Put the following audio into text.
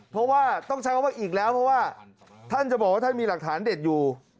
เพราะว่าต้องใช้คำว่าอีกแล้วเพราะว่าท่านจะบอกว่าท่านมีหลักฐานเด็ดอยู่